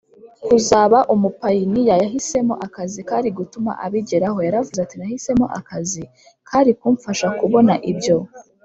kuzaba umupayiniya yahisemo akazi kari gutuma abigeraho Yaravuze ati nahisemo akazi kari kumfasha kubona ibyo